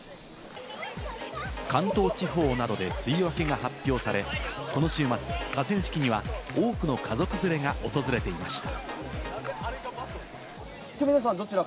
関東地方などで梅雨明けが発表され、今週末、河川敷には多くの家族連れが訪れていました。